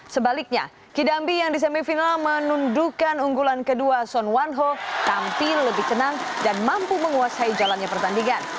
sebaliknya kidambi yang di semifinal menundukan unggulan kedua son wanho tampil lebih tenang dan mampu menguasai jalannya pertandingan